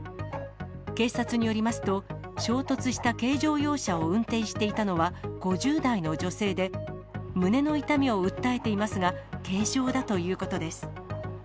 警察によりますと、衝突した軽乗用車を運転していたのは５０代の女性で、胸の痛みを訴えていますが、軽傷だということです。